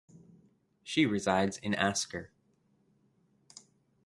She resides in Asker.